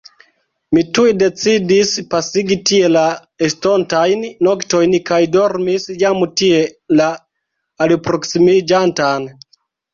Mi tuj decidis pasigi tie la estontajn noktojn kaj dormis jam tie la alproksimiĝantan.